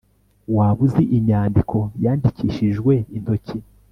waba uzi inyandiko yandikishijwe intoki